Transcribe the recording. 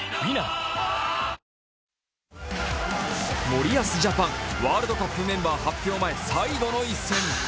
森保ジャパンワールドカップメンバー前最後の１戦。